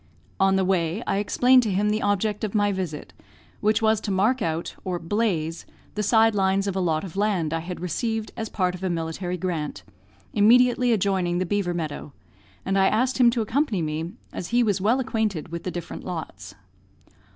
On the way, I explained to him the object of my visit, which was to mark out, or "blaze," the sidelines of a lot of land I had received as part of a military grant, immediately adjoining the beaver meadow, and I asked him to accompany me, as he was well acquainted with the different lots.